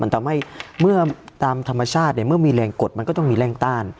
มันทำให้เมื่อตามธรรมชาติเนี่ยเมื่อมีแรงกดมันก็ต้องมีแรงต้าน